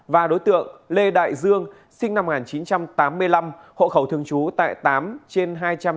và đối tượng lê đại dương sinh năm một nghìn chín trăm tám mươi năm hộ khẩu thường trú tại tám trên hai trăm ba mươi